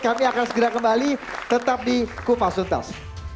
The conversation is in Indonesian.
kami akan segera kembali tetap di kupasuntas